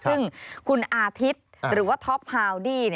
ซึ่งคุณอาทิตย์หรือว่าท็อปฮาวดี้